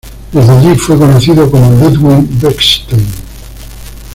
Desde allí fue conocido como Ludwig Bechstein.